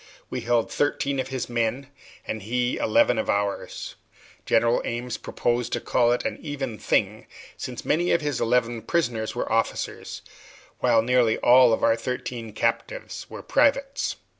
We held thirteen of his men, and he eleven of ours. General Ames proposed to call it an even thing, since many of his eleven prisoners were officers, while nearly all our thirteen captives were privates.